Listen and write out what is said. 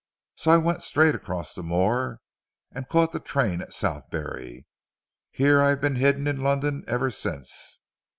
So I went straight across the moor and caught the train at Southberry. Here I've been hidden in London ever since.